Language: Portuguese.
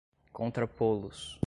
contrapô-los